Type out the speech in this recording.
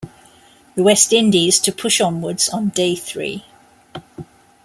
The West Indies to push onwards on day three.